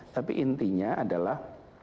tapi intinya adalah